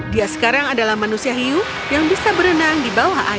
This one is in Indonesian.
dia sekarang adalah manusia hiu yang bisa berenang di bawah air